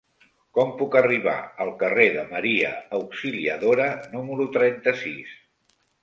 Com puc arribar al carrer de Maria Auxiliadora número trenta-sis?